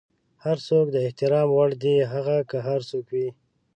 هر څوک د احترام وړ دی، هغه که هر څوک وي.